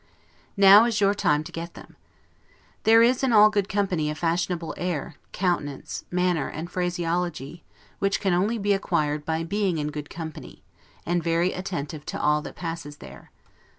Now is your time to get them. There is, in all good company, a fashionable air, countenance, manner, and phraseology, which can only be acquired by being in good company, and very attentive to all that passes there.